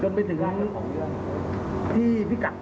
จนไปถึงที่พิกัด